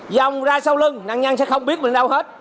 vòng ra sau lưng nạn nhân sẽ không biết mình đâu hết